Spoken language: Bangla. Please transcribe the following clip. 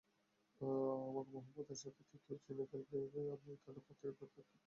আমাকে মুহাম্মাদের সাথীদের কেউ চিনে ফেলবে এ ভয়ে আমি তাদের পথ থেকে দূরে থাকতাম।